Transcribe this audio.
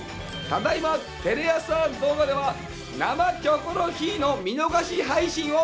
ただ今テレ朝動画では「生キョコロヒー」の見逃し配信を実施中